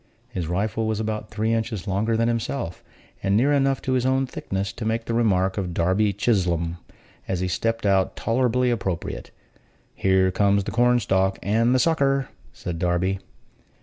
His rifle was about three inches longer than himself, and near enough his own thickness to make the remark of Darby Chislom, as he stepped out, tolerably appropriate: "Here comes the corn stalk and the sucker!" said Darby.